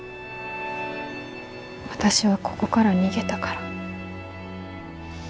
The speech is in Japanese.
私はここから逃げたから。